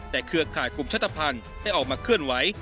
แต่เครือข่ายคุมชาติภัณฑ์ได้ออกมาเคลื่อนไหว